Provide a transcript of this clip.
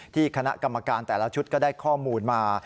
คณะกรรมการแต่ละชุดก็ได้ข้อมูลมา